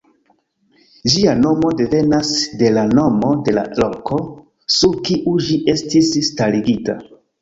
Ĝia nomo devenas de la nomo de la roko, sur kiu ĝi estis starigita.